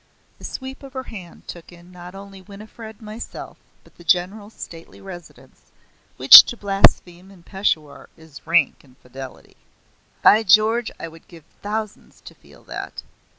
The sweep of her hand took in not only Winifred and myself, but the general's stately residence, which to blaspheme in Peshawar is rank infidelity. "By George, I would give thousands to feel that!